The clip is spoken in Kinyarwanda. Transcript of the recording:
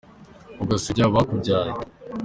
ugasebya abakubyaye.